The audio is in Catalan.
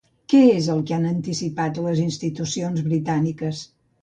Què és el que han anticipat les institucions britàniques?